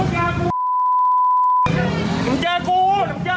หยุดตะ